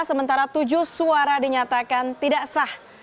sementara tujuh suara dinyatakan tidak sah